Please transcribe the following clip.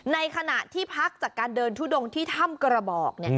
ในขณะที่พักจากการเดินทุดงที่ถ้ำกระบอก